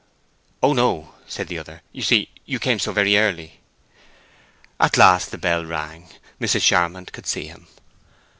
"Oh no," said the other. "You see you came so very early." At last the bell rang: Mrs. Charmond could see him.